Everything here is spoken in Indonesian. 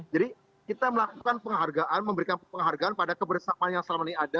jadi kita melakukan penghargaan memberikan penghargaan pada kebersamaan yang selama ini ada